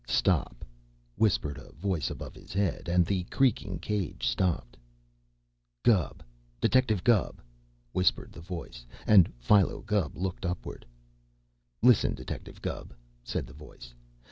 "Stop!" whispered a voice above his head, and the creaking cage stopped. "Gubb! Detective Gubb!" whispered the voice, and Philo Gubb looked upward. "Listen, Detective Gubb," said the voice.